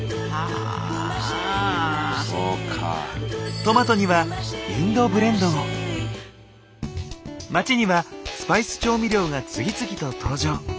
トマトには街にはスパイス調味料が次々と登場。